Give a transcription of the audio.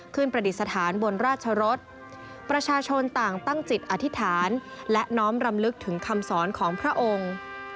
ประดิษฐานบนราชรสประชาชนต่างตั้งจิตอธิษฐานและน้อมรำลึกถึงคำสอนของพระองค์